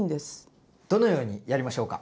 どのようにやりましょうか？